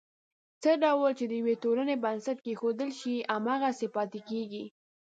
څه ډول چې د یوې ټولنې بنسټ کېښودل شي، هماغسې پاتې کېږي.